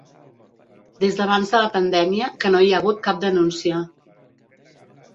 Des d'abans de la pandèmia que no hi ha hagut cap denúncia.